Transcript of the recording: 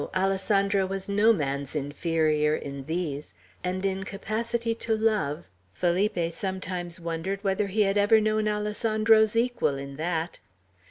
Alessandro was no man's inferior in these; and in capacity to love, Felipe sometimes wondered whether he had ever known Alessandro's equal in that.